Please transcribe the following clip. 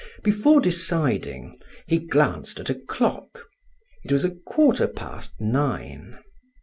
Before deciding, he glanced at a clock; it was a quarter past nine.